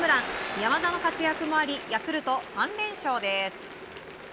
山田の活躍もありヤクルト、３連勝です。